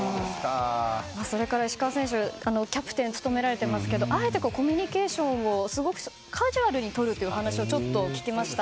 それから石川選手キャプテンを務められてますがあえてコミュニケーションをすごくカジュアルにとるとお話をちょっと聞きました。